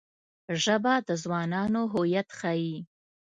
ژبه د ځوانانو هویت ښيي